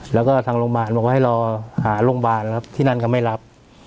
แล้วก็ทางโรงพยาบาลบอกว่าให้รอหาโรงพยาบาลครับที่นั่นก็ไม่รับ